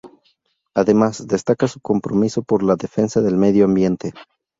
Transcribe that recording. Además, destaca su compromiso por la defensa del medio ambiente.